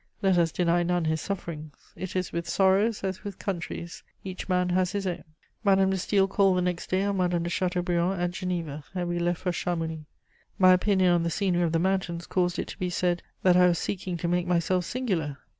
Let us deny none his sufferings; it is with sorrows as with countries: each man has his own. Madame de Staël called the next day on Madame de Chateaubriand at Geneva, and we left for Chamouny. My opinion on the scenery of the mountains caused it to be said that I was seeking to make myself singular.